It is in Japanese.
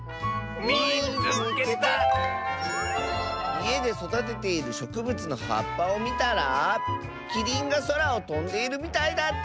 「いえでそだてているしょくぶつのはっぱをみたらキリンがそらをとんでいるみたいだった！」。